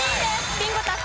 ビンゴ達成！